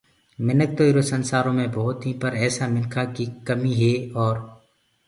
مِنک تو ايرو سنسآرو مي ڀوتيٚنٚ پر ايسآ مِنکآنٚ ڪي ڪميٚ هي اور